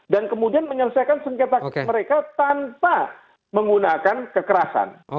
dan kemudian menyelesaikan sengketa mereka tanpa menggunakan kekerasan